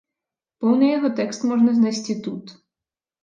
Поўны яго тэкст можна знайсці тут.